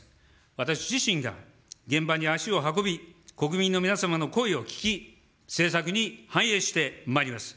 私自身が現場に足を運び、国民の皆様の声を聞き、政策に反映してまいります。